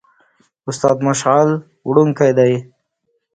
استاد د مشعل وړونکی دی.